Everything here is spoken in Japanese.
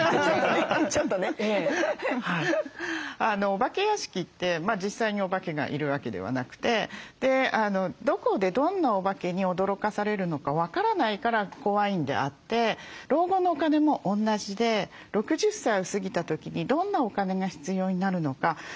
お化け屋敷って実際にお化けがいるわけではなくてどこでどんなお化けに驚かされるのか分からないから怖いんであって老後のお金も同じで６０歳を過ぎた時にどんなお金が必要になるのか。